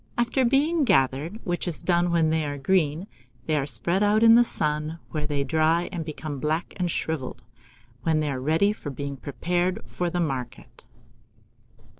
After being gathered, which is done when they are green, they are spread out in the sun, where they dry and become black and shrivelled, when they are ready for being prepared for the market.